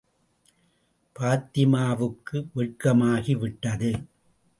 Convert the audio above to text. பாத்திமாவுக்கு வெட்கமாகி விட்டது.